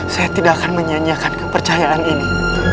saya tidak akan menyanyikan kepercayaan ini